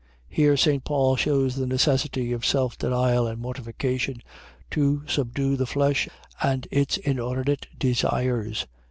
.Here St. Paul shews the necessity of self denial and mortification, to subdue the flesh, and its inordinate desires.